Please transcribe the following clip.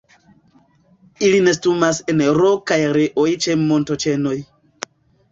Ili nestumas en rokaj areoj ĉe montoĉenoj.